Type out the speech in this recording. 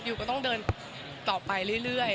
ก็ต้องเดินต่อไปเรื่อย